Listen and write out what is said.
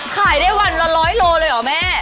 ขายได้วันร้อยโลเลยหรอแม่